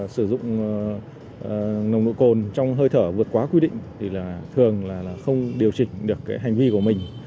sử dụng nồng độ cồn trong hơi thở vượt quá quy định thì là thường là không điều chỉnh được hành vi của mình